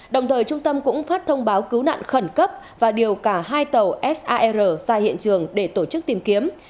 đồng thời trung tâm cũng phát thông báo cứu nạn khẩn cấp và điều cả hai tàu sar ra hiện trường để tổ chức tìm kiếm